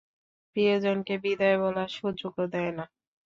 প্রিয়জনকে বিদায় বলার সুযোগও দেয় না।